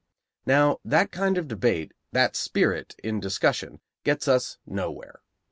Now, that kind of debate, that spirit in discussion, gets us nowhere.